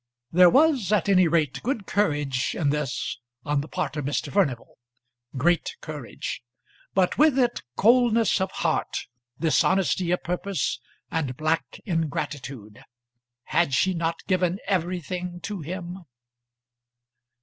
There was at any rate good courage in this on the part of Mr. Furnival; great courage; but with it coldness of heart, dishonesty of purpose, and black ingratitude. Had she not given everything to him?